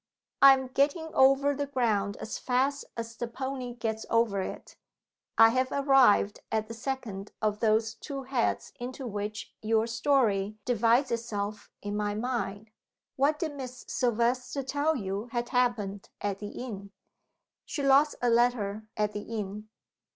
I am getting over the ground as fast as the pony gets over it. I have arrived at the second of those two heads into which your story divides itself in my mind. What did Miss Silvester tell you had happened at the inn?" "She lost a letter at the inn."